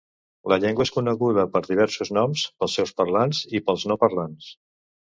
La llengua és coneguda per diversos noms pels seus parlants i pels no parlants.